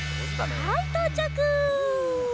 はいとうちゃく！